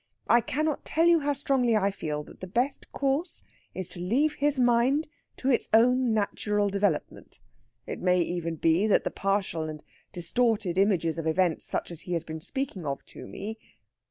I cannot tell you how strongly I feel that the best course is to leave his mind to its own natural development. It may even be that the partial and distorted images of events such as he has been speaking of to me...."